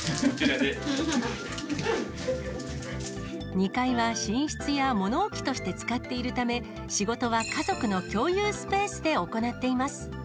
２階は寝室や物置として使っているため、仕事は家族の共有スペースで行っています。